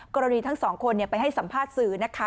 ทั้งสองคนไปให้สัมภาษณ์สื่อนะคะ